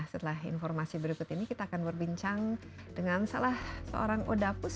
setelah informasi berikut ini kita akan berbincang dengan salah seorang odapus